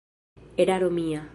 Eraro mia!